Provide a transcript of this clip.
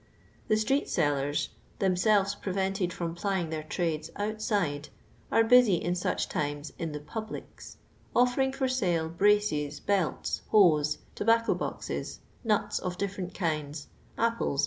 Tne street sellers, themselves prevented from plying their trades outside, are busy in such times in tlie " publics," offering for sale braces, belts, hose, tobacco boxes, nuts of different kinds, apples, &c.